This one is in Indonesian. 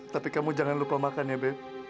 tapi kamu jangan lupa makan ya be